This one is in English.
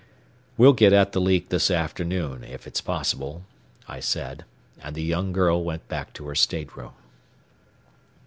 "We'll get at the leak this afternoon, if it's possible," I said, and the young girl went back to her stateroom.